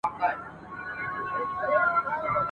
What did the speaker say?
زما به سترګي کله روڼي پر مېله د شالمار کې !.